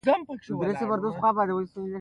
هندوانه د خولې خوشبويي زیاتوي.